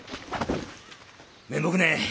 面目ねえ。